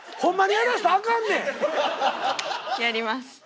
やります。